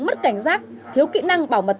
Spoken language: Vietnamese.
mất cảnh giác thiếu kỹ năng bảo mật